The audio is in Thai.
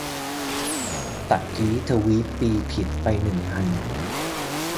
ตะกี้ทวีตปีผิดไปหนึ่งอัน